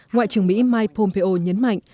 ngoại trưởng mỹ mike pompeo nhấn mạnh